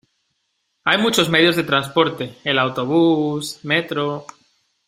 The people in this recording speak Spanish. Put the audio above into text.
Hay muchos medios de transporte: el autobús, metro...